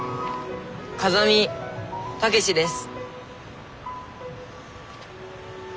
風見武志です。